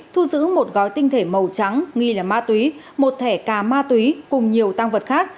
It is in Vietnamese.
thu giữ một gói tinh thể màu trắng nghi là ma túy một thẻ cà ma túy cùng nhiều tăng vật khác